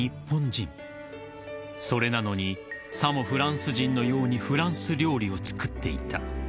［それなのにさもフランス人のようにフランス料理を作っていた］